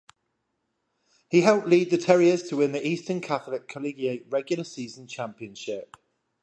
He helped lead the Terriers to win the Eastern Catholic Collegiate regular season championship.